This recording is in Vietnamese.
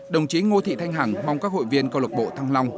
đồng chí ngô thị thanh hằng mong các hội viên câu lạc bộ thăng long